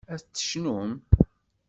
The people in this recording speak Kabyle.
Ad tecnum?